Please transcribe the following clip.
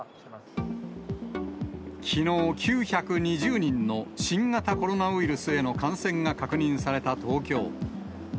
きのう、９２０人の新型コロナウイルスへの感染が確認された東京。